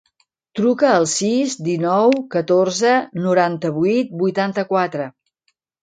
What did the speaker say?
Truca al sis, dinou, catorze, noranta-vuit, vuitanta-quatre.